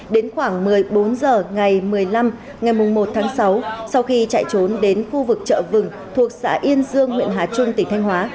đến khoảng một mươi bốn h ngày một mươi năm ngày một tháng sáu sau khi chạy trốn đến khu vực chợ vừng thuộc xã yên dương huyện hà trung tỉnh thanh hóa